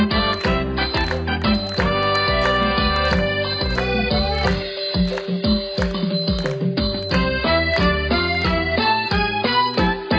โฮฮะไอ้ยะฮู้ไอ้ยะ